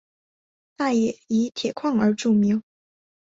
大冶以铁矿而著名。